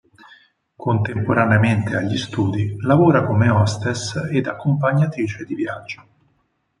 Contemporaneamente agli studi lavora come hostess ed accompagnatrice di viaggio.